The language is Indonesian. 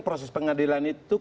proses pengadilan itu kan